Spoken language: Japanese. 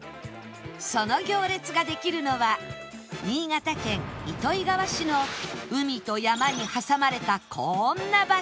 その行列ができるのは新潟県糸魚川市の海と山に挟まれたこんな場所